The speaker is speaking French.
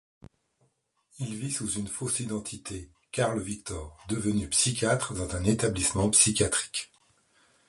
Il vit sous une fausse identité, Carl Victor, devenu psychiatre dans un établissement psychiatrique.